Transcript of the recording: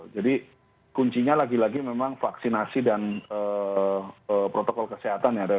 jadi kuncinya lagi lagi memang vaksinasi dan protokol kesehatan ya